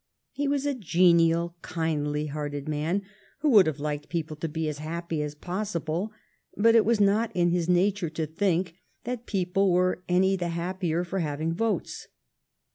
He was a genial, kindly hearted man, who would have liked people to be as happy as possible, but it was not in his nature to think that people were any the happier for having votes.